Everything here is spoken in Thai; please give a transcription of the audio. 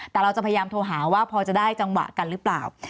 แต่เราจะพยายามโทรหาว่าพอจะได้จังหวะกันหรือเปล่า